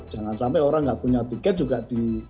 jangan sampai orang nggak punya tiket juga di